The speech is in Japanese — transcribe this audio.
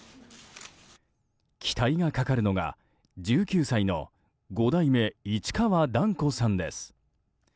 期待がかかるのが、１９歳の五代目市川團子さんです。